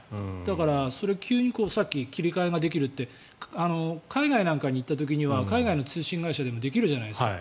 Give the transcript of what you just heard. それを急にさっき、切り替えができるって海外なんかに行った時には海外の通信会社でもできるじゃないですか。